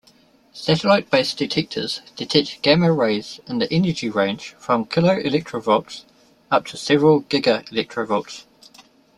Satellite-based detectors detect gamma-rays in the energy range from keV up to several GeV.